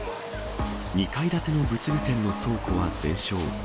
２階建ての仏具店の倉庫は全焼。